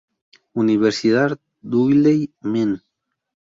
Univ., Dudley Mem.